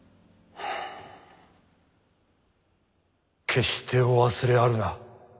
決してお忘れあるな。